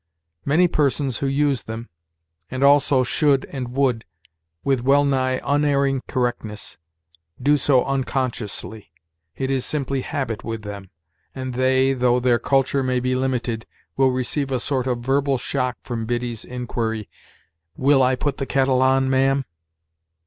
Many persons who use them, and also should and would, with well nigh unerring correctness, do so unconsciously; it is simply habit with them, and they, though their culture may be limited, will receive a sort of verbal shock from Biddy's inquiry, "Will I put the kettle on, ma'am?"